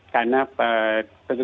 karena petugas kesehatan kita mempunyai